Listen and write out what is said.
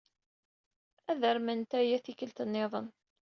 Ad arment aya tikkelt niḍen.